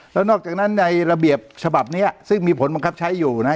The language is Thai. แล้วนอกจากนั้นในระเบียบฉบับนี้ซึ่งมีผลบังคับใช้อยู่นะฮะ